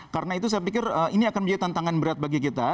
karena itu saya pikir ini akan menjadi tantangan berat bagi kita